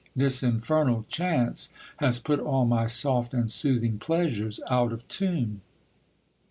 This infernal chance has put all my soft and soothing pleasures out of tune.